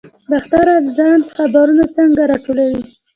باختر اژانس خبرونه څنګه راټولوي؟